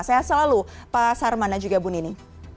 sehat selalu pak sarmana juga bu nini